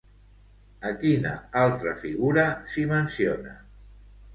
A quina altra figura s'hi menciona?